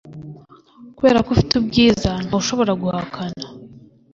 kuberako ufite ubwiza ntawushobora guhakana